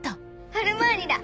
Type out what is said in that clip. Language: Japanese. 「アルマーニ」だ！